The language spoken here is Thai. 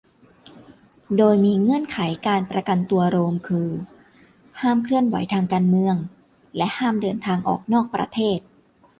โดยมีเงื่อนไขการประกันตัว โรม คือห้ามเคลื่อนไหวทางการเมืองและห้ามเดินทางออกนอกประเทศ